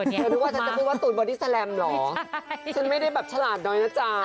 เธอรู้ว่าฉันจะพูดว่าตูนบริสแรมเหรอใช่ซึ่งไม่ได้แบบฉลาดน้อยนะจ้า